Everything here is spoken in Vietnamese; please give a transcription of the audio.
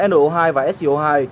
no hai và so hai